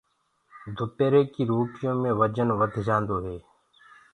دُپيري ڪي روٽيو مي وجن وڌ جآندو هي۔